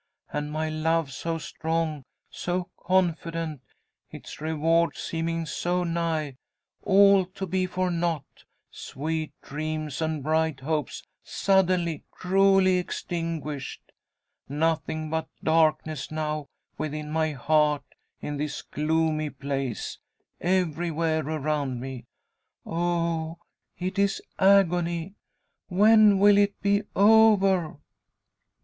And my love so strong, so confident its reward seeming so nigh all to be for nought sweet dreams and bright hopes suddenly, cruelly extinguished! Nothing but darkness now; within my heart, in this gloomy place, everywhere around me! Oh, it is agony! When will it be over?"